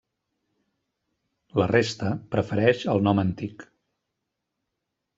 La resta prefereix el nom antic.